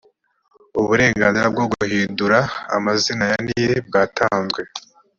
uburenganzira bwo guhidura amazina ya niri bwatanzwe